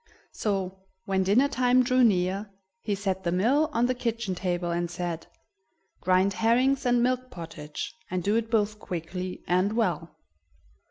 So, when dinner time drew near, he set the mill on the kitchen table, and said: "Grind herrings and milk pottage, and do it both quickly and well."